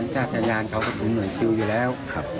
จ้าสัญญาณเขาก็เป็นหน่วยชิ้วอยู่แล้ว